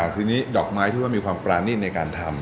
ทีนี้ดอกไม้ที่ว่ามีความปรานีตในการทำ